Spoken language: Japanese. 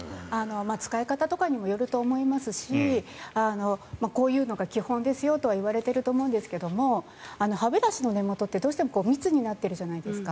使い方とかにもよると思いますしこういうのが基本ですよといわれていると思うんですが歯ブラシの根元ってどうしても密になってるじゃないですか。